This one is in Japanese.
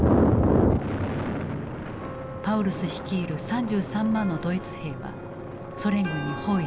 パウルス率いる３３万のドイツ兵はソ連軍に包囲された。